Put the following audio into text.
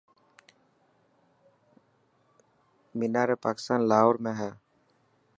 مينار پاڪستان لاهور ۾ هي.